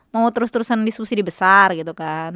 mau terus terusan diskusi di besar gitu kan